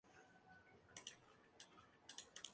Tenía cicatrices en sus rodillas por viejas heridas del fútbol.